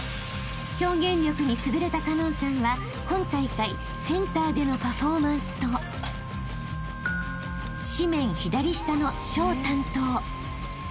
［表現力に優れた花音さんは今大会センターでのパフォーマンスと紙面左下の書を担当］